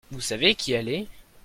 Vous savez qui elle est ?